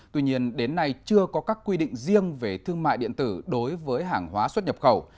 tuy nhiên đến nay chưa có các quy định riêng về thương mại điện tử đối với hàng hóa xuất nhập khẩu